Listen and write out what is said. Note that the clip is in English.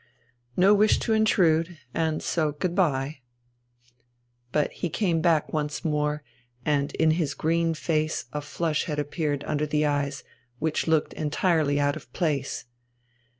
No wish to intrude.... And so good bye." But he came back once more, and in his green face a flush had appeared under the eyes which looked entirely out of place there.